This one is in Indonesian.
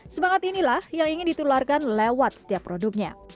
semangat inilah yang ingin ditularkan lewat setiap produknya